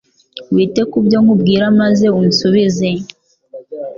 Wite ku byo nkubwira maze unsubize